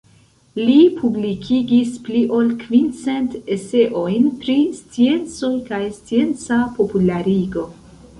Li publikigis pli ol kvicent eseojn pri sciencoj kaj scienca popularigo.